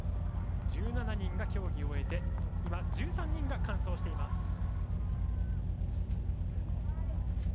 １７人が競技を終えて１３人が完走しています。